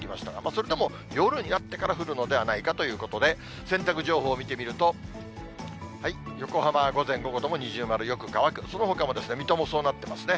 それでも夜になってから降るのではないかということで、洗濯情報を見てみると、横浜は午前、午後とも二重丸、よく乾く、そのほかも水戸もそうなってますね。